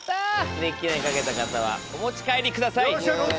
「できない」に賭けた方はお持ち帰りください。